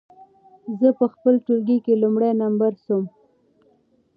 زه په خپل ټولګي کې لومړی نمره سوم.